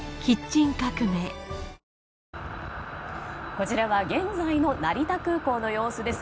こちらは現在の成田空港の様子です。